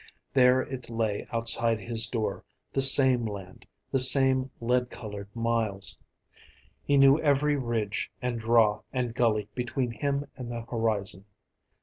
There it lay outside his door, the same land, the same lead colored miles. He knew every ridge and draw and gully between him and the horizon.